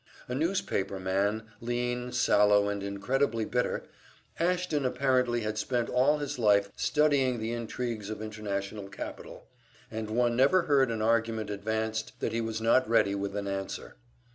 A newspaper man, lean, sallow, and incredibly bitter, Ashton apparently had spent all his life studying the intrigues of international capital, and one never heard an argument advanced that he was not ready with an answer.